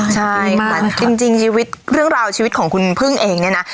ใช่ค่ะจริงชีวิตเรื่องราวชีวิตของคุณพึ่งเองเนี่ยนะ